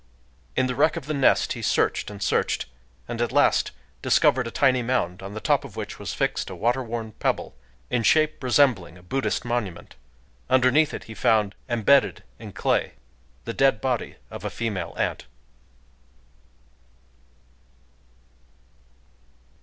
In the wreck of the nest he searched and searched, and at last discovered a tiny mound, on the top of which was fixed a water worn pebble, in shape resembling a Buddhist monument. Underneath it he found—embedded in clay—the dead body of a female ant.